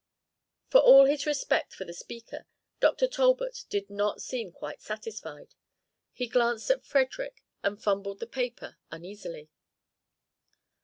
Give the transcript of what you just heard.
For all his respect for the speaker, Dr. Talbot did not seem quite satisfied. He glanced at Frederick and fumbled the paper uneasily.